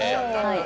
はい。